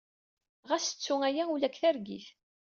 Ɣas ttu aya, ula deg targit!